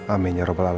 amin ya rabbal alamin